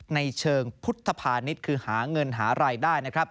ในเชิงพุทธภานิษฐ์คือหาเงินหารายได้นะครับ